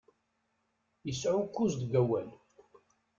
Isɛukkuz deg awal.